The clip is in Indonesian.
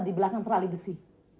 di belakang trali besi